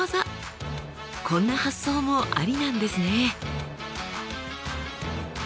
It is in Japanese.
こんな発想もありなんですね。